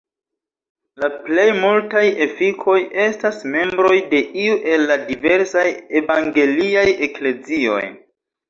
La plej multaj efikoj estas membroj de iu el la diversaj evangeliaj eklezioj.